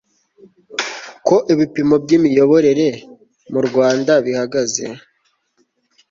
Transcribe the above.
uko ibipimo by'imiyoborere mu rwanda bihagaze